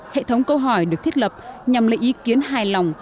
hệ thống câu hỏi được thiết lập nhằm lấy ý kiến hài lòng